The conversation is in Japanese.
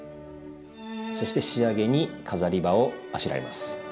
そして仕上げに飾り葉をあしらいます。